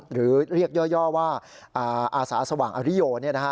หรือเรียกย่อว่าอาสาสว่างอริโย